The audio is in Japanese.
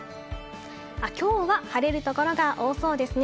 今日は晴れる所が多そうですね。